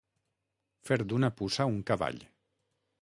Fer d'una puça un cavall.